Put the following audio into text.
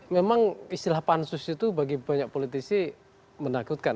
memang istilah pansus itu bagi banyak politisi menakutkan